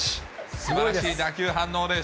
すばらしい打球反応です。